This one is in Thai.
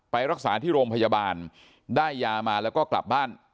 ไปรักษาที่โรงพยาบาลได้ยามาแล้วก็กลับบ้าน